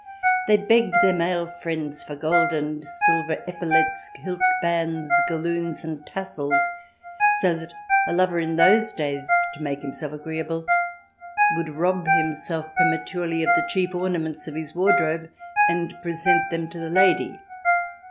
They begged their male friends for gold and silver epaulettes, hilt bands, galloons and tassels, so that a lover in those days, to make himself agreeable, would rob himself prematurely of the chief orna ments of his wardrobe, and present them to the lady.